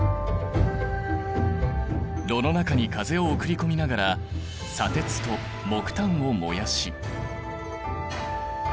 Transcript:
炉の中に風を送り込みながら砂鉄と木炭を燃やし。